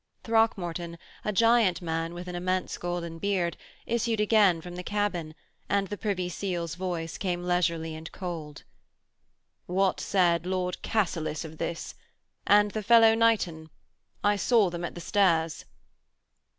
Throckmorton, a giant man with an immense golden beard, issued again from the cabin, and the Privy Seal's voice came leisurely and cold: 'What said Lord Cassilis of this? And the fellow Knighton? I saw them at the stairs.'